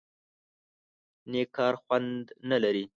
_نېک کار خوند نه لري؟